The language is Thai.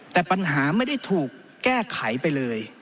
แต่ปัญหาไม่ได้ถูกแก้ไขไปเลย